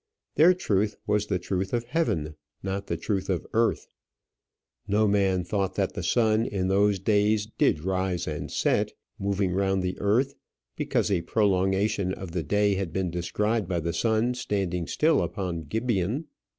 Their truth was the truth of heaven, not the truth of earth. No man thought that the sun in those days did rise and set, moving round the earth, because a prolongation of the day had been described by the sun standing still upon Gibeon.